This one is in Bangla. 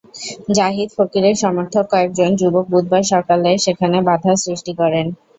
জাহিদ ফকিরের সমর্থক কয়েকজন যুবক বুধবার সকালে সেখানে বাধার সৃষ্টি করেন।